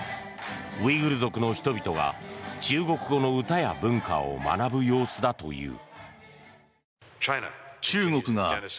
ウイグル族の人々が中国語の歌や文化を学ぶ様子だという。